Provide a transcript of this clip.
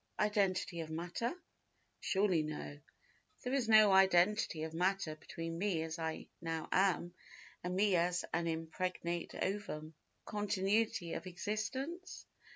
Identity of matter? Surely no. There is no identity of matter between me as I now am, and me as an impregnate ovum. Continuity of existence?